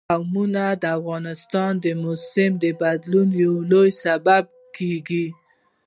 قومونه د افغانستان د موسم د بدلون یو لوی سبب کېږي.